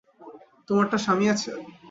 তোমারটার স্বামী আছে?